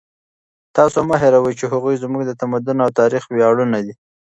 تاسو مه هېروئ چې هغوی زموږ د تمدن او تاریخ ویاړونه دي.